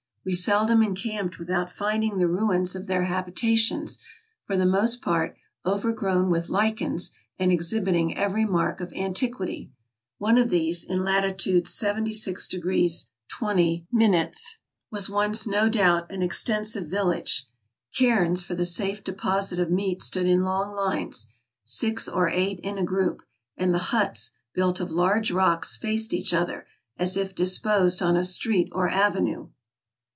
We seldom encamped without finding the ruins of their habitations, for the most part overgrown with lichens, and exhibiting every mark of antiquity. One of these, in latitude y6° 20', was once, no doubt, an extensive village. Cairns for the safe deposit of meat stood in long lines, six or eight in a group; and the huts, built of large rocks, faced each other, as if dis posed on a street or avenue.